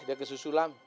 dia ke si sulam